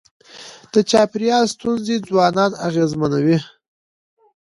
د چاپېریال ستونزي ځوانان اغېزمنوي.